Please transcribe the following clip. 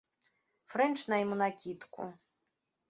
Фрэнч на ім унакідку.